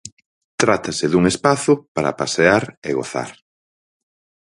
Trátase dun espazo para pasear e gozar.